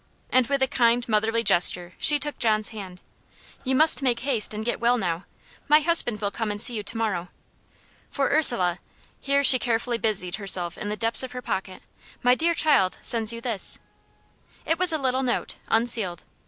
And with a kind motherly gesture she took John's hand. "You must make haste and get well now. My husband will come and see you to morrow. For Ursula " here she carefully busied herself in the depths of her pocket "my dear child sends you this." It was a little note unsealed.